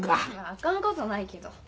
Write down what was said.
あかんことないけど。